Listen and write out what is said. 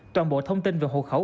toàn bộ thông tin về hộ khẩu